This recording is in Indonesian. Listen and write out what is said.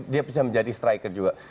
dia bisa menjadi striker juga